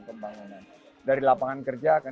pembangunan dari lapangan kerja akan